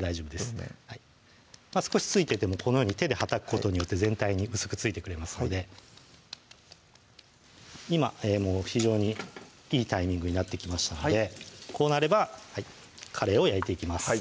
両面少し付いててもこのように手ではたくことによって全体に薄く付いてくれますので今非常にいいタイミングになってきましたのでこうなればかれいを焼いていきます